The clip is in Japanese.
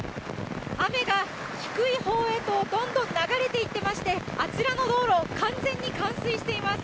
雨が低い方へとどんどん流れていっていましてあちらの道路完全に冠水しています。